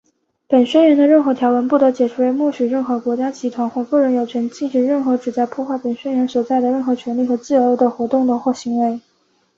本宣言的任何条文,不得解释为默许任何国家、集团或个人有权进行任何旨在破坏本宣言所载的任何权利和自由的活动或行为。